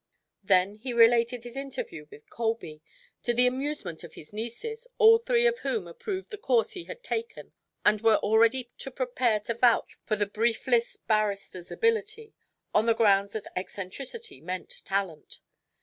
Then he related his interview with Colby, to the amusement of his nieces, all three of whom approved the course he had taken and were already prepared to vouch for the briefless barrister's ability, on the grounds that eccentricity meant talent.